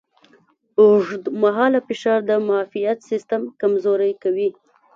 اوږدمهاله فشار د معافیت سیستم کمزوری کوي.